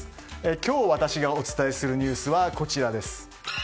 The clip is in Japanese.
今日私がお伝えするニュースはこちらです。